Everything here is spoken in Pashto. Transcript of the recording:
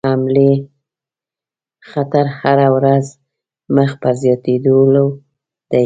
حملې خطر هره ورځ مخ پر زیاتېدلو دی.